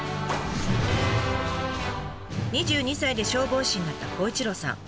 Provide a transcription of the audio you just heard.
２２歳で消防士になった孝一郎さん。